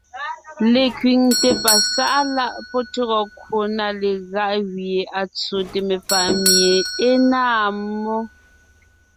Lekẅiŋte pasáʼa láʼ pɔ́ tÿɔgɔ kwò na legáʼ gẅie à tsóte mefàʼ mie é náa mmó,